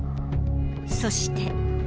そして。